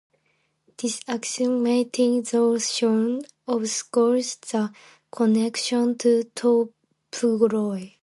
This axiomatization obscures the connection to topology.